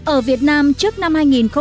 ở việt nam trước năm hai nghìn bảy